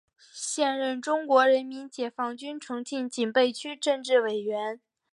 现任中国人民解放军重庆警备区政治委员。